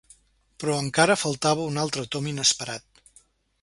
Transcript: Però encara faltava un altre tomb inesperat.